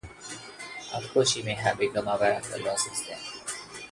Of course, she may have become aware of the law since then.